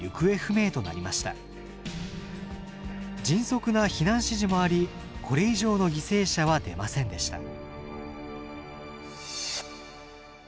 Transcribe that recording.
迅速な避難指示もありこれ以上の犠牲者は出ませんでした。